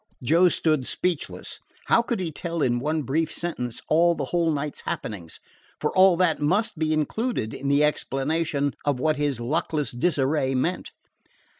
Joe stood speechless. How could he tell, in one brief sentence, all the whole night's happenings? for all that must be included in the explanation of what his luckless disarray meant.